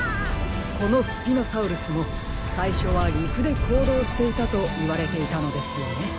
このスピノサウルスもさいしょはりくでこうどうしていたといわれていたのですよね。